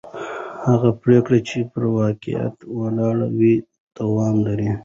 هغه پرېکړې چې پر واقعیت ولاړې وي دوام لري